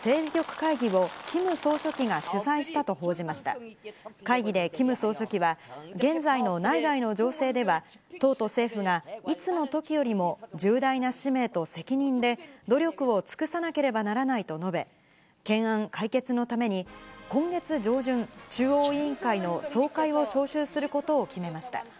会議でキム総書記は、現在の内外の情勢では、党と政府がいつのときよりも重大な使命と責任で努力を尽くさなければならないと述べ、懸案解決のために、今月上旬、中央委員会の総会を招集することを決めました。